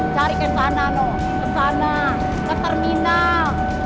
cari kesana no kesana ke terminal